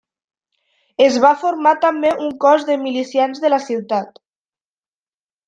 Es va formar també un cos de milicians de la ciutat.